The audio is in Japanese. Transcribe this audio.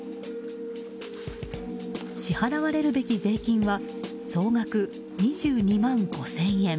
支払われるべき税金は総額２２万５０００円。